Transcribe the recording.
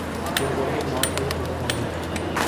ஒரு பொருளின் மாற்றுரு பிம்பமாகும்.